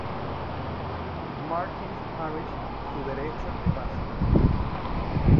Martins Parish su derecho de paso.